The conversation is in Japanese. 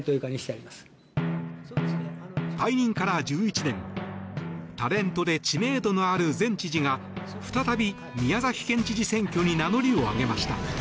退任から１１年タレントで知名度のある前知事が再び宮崎県知事選挙に名乗りを上げました。